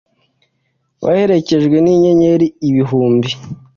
baherekejwe ninyenyeri ibihumbi